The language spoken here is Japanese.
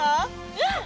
うん！